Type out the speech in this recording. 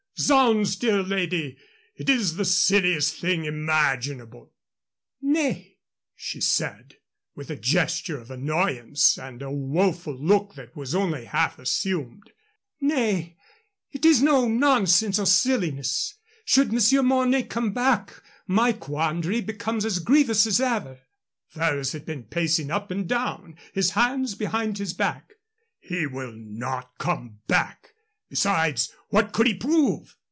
Zounds, dear lady, it is the silliest thing imaginable!" "Nay," she said, with a gesture of annoyance and a woful look that was only half assumed "nay, it is no nonsense or silliness. Should Monsieur Mornay come back, my quandary becomes as grievous as ever." Ferrers had been pacing up and down, his hands behind his back. "He will not come back. Besides, what could he prove?"